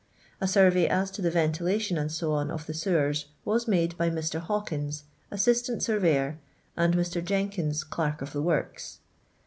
A survey as to the ventilation, &c, of the sewers was made by Mr. Hawkins, Assistant Sur veyor, and Mr. Jenkins, Clerk of the Works.